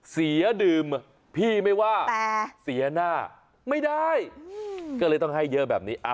เสียดื่มพี่ไม่ว่าแต่เสียหน้าไม่ได้ก็เลยต้องให้เยอะแบบนี้